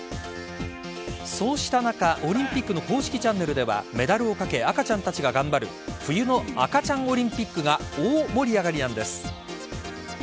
そうした中、オリンピックの公式チャンネルではメダルをかけ赤ちゃんたちが頑張る冬の赤ちゃんオリンピックが大盛り上がりなんです。